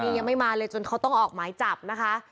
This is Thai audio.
นี่ยังไม่มาเลยจนเขาต้องออกหมายจับนะคะ